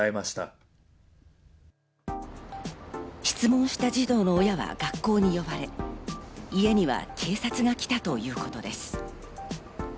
質問した児童の親は学校に呼ばれ、家には警察が来たということです。